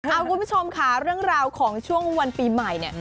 เอาคุณผู้ชมค่ะเรื่องราวของช่วงวันปีใหม่เนี่ย